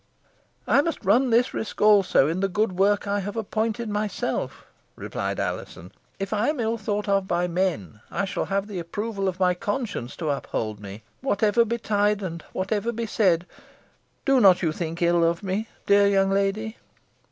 "I must run this risk also, in the good work I have appointed myself," replied Alizon. "If I am ill thought of by men, I shall have the approval of my own conscience to uphold me. Whatever betide, and whatever be said, do not you think ill of me, dear young lady."